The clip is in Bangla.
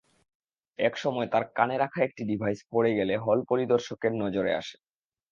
একসময় তাঁর কানে রাখা একটি ডিভাইস পড়ে গেলে হল পরিদর্শকের নজরে আসে।